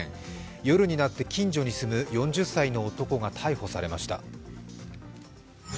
夜になって近所に住む４０歳の男が逮捕されました。